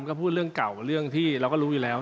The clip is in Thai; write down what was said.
ก็พูดเรื่องเก่าเรื่องที่เราก็รู้อยู่แล้ว